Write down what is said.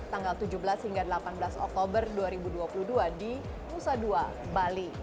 tanggal tujuh belas hingga delapan belas oktober dua ribu dua puluh dua di nusa dua bali